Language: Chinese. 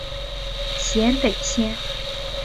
咸北线